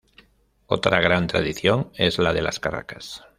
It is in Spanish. Otra gran tradición es la de las carracas.